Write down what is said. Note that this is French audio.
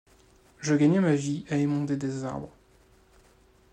Je gagnais ma vie à émonder des arbres.